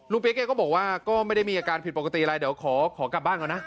เปี๊ยกแกก็บอกว่าก็ไม่ได้มีอาการผิดปกติอะไรเดี๋ยวขอกลับบ้านก่อนนะ